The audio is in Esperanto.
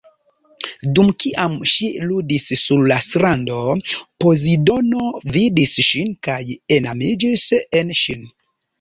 Dum kiam ŝi ludis sur la strando, Pozidono vidis ŝin, kaj enamiĝis en ŝin.